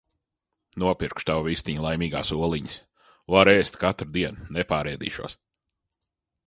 Nopirkšu tavu vistiņu laimīgās oliņas, varu ēst katru dienu, nepārēdīšos!